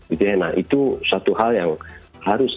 itu ya nah itu satu hal yang harus